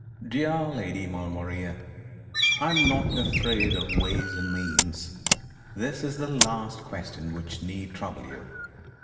'Dear Lady Maulevrier, I am not afraid of ways and means. That is the last question which need trouble you.